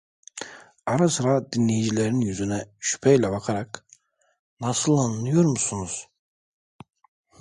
Ara sıra dinleyicilerin yüzüne şüpheyle bakarak: "Nasıl, anlıyor musunuz?"